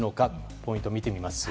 ポイントを見てみます。